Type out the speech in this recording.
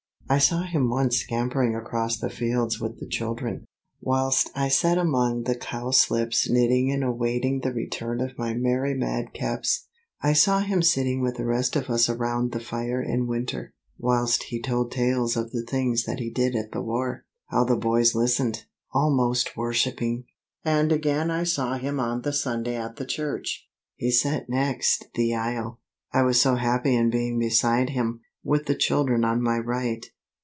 I saw him once scampering across the fields with the children, whilst I sat among the cowslips knitting and awaiting the return of my merry madcaps. I saw him sitting with the rest of us around the fire in winter, whilst he told tales of the things that he did at the war. How the boys listened, almost worshipping! And again I saw him on the Sunday at the church. He sat next the aisle. I was so happy in being beside him, with the children on my right.